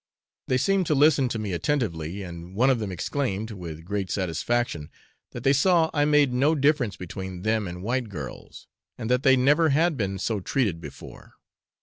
They seemed to listen to me attentively, and one of them exclaimed, with great satisfaction, that they saw I made no difference between them and white girls, and that they never had been so treated before.